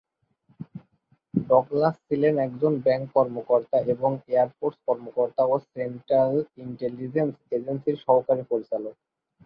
Douglas ছিলেন একজন bank কর্মকর্তা এবং এয়ার ফোর্স কর্মকর্তা ও সেন্ট্রাল ইন্টেলিজেন্স এজেন্সির সহকারী পরিচালক।